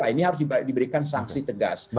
ini harus diberikan sanksi tegas